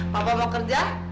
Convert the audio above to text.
papa mau kerja